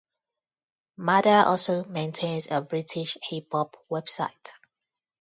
Mada also maintains a British hip hop website.